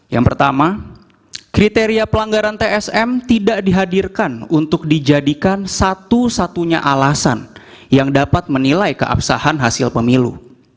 yang pertama kriteria pelanggaran tsm tidak dihadirkan untuk dijadikan satu satunya alasan yang dapat menilai keabsahan hasil pemilu